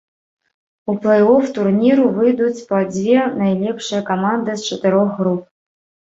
У плэй-оф турніру выйдуць па дзве найлепшыя каманды з чатырох груп.